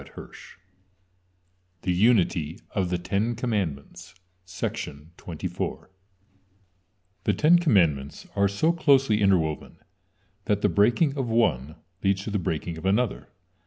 THE UNITY OF THE TEN COMMANDMENTS The Ten Commandments are so closely interwoven, that the breaking of one leads to the breaking of another.